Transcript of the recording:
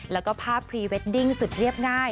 แล้วก็ภาพพรีเวดดิ้งสุดเรียบง่าย